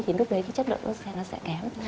thì lúc đấy cái chất lượng ớt dô xen nó sẽ kém